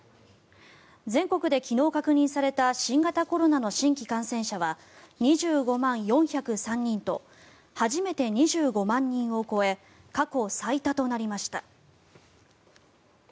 全国で昨日確認された新型コロナの新規感染者は２５万４０３人と初めて２５万人を超え過去最多となりました。